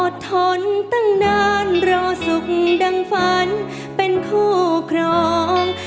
ทนตั้งนานรอสุขดังฝันเป็นคู่ครอง